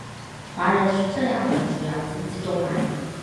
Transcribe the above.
华人是这的主要经济动脉。